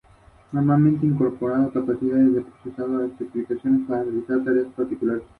De este segundo matrimonio no hubo sucesión.